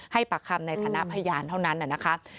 ให้ปากคำในฐานะพยานเท่านั้น